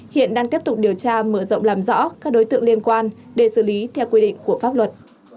hiện đang tiếp tục điều tra mở rộng làm rõ các đối tượng liên quan để xử lý theo quy định của pháp luật